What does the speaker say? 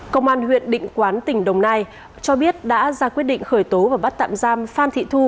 công an huyện định quán tỉnh đồng nai cho biết đã ra quyết định khởi tố và bắt tạm giam phan thị thu